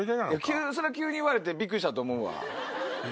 急に言われてびっくりしたと思うわ。